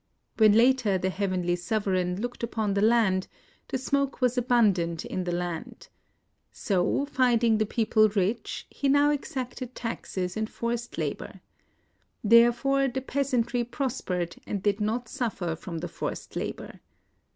When later the Heavenly Sovereign looked upon the land, the smoke was abundant in the land. So, finding the people rich, he now exacted taxes and forced labor. Therefore the peasantry prospered, and did not suffer from the forced labor.